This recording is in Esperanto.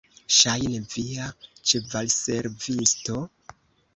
Ŝajne, via ĉevalservisto?